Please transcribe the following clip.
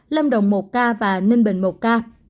tâm đồng một ca và ninh bình một ca